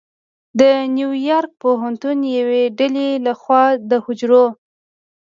د نیویارک پوهنتون یوې ډلې لخوا د حجرو